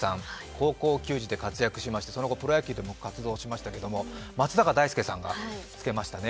高校球児で活躍し、その後、プロ野球でも活躍しましたけど、松坂大輔さんがつけましたね。